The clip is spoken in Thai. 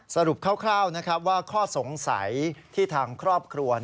คร่าวว่าข้อสงสัยที่ทางครอบครัว